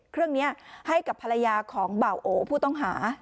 เครื่องนี้ให้กับภรรยาของเบาโอผู้ต้องหา